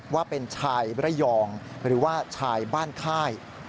ว่าเป็นชายระยองหรือว่าชายบ้านค่าย